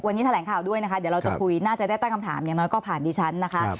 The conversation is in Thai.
วันนี้แถลงข่าวด้วยนะคะเดี๋ยวเราจะคุยน่าจะได้ตั้งคำถามอย่างน้อยก็ผ่านดิฉันนะคะ